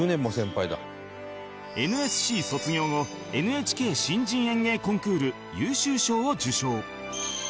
ＮＳＣ 卒業後 ＮＨＫ 新人演芸コンクール優秀賞を受賞